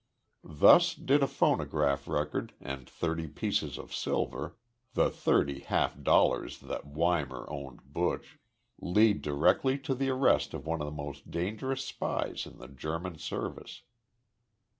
"Thus did a phonograph record and thirty pieces of silver the thirty half dollars that Weimar owed Buch lead directly to the arrest of one of the most dangerous spies in the German service.